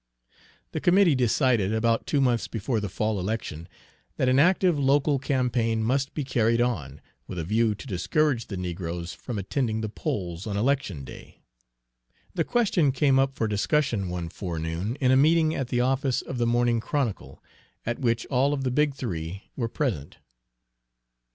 The committee decided, about two months before the fall election, that an active local campaign must be carried on, with a view to discourage the negroes from attending the polls on election day. The question came up for discussion one forenoon in a meeting at the office of the Morning Chronicle, at which all of the "Big Three" were present.